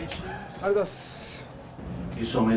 ありがとうございます。